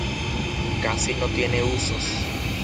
Casi no tiene usos.